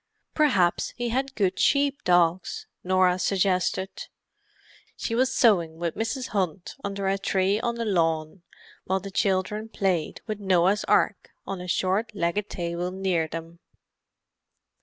"Perhaps he had good sheep dogs," Norah suggested. She was sewing with Mrs. Hunt under a tree on the lawn, while the children played with a Noah's Ark on a short legged table near them.